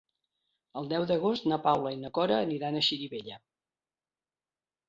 El deu d'agost na Paula i na Cora aniran a Xirivella.